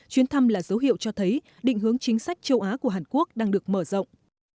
chuyến thăm là dấu hiệu cho thấy định hướng chính sách châu á của hàn quốc đang được mở rộng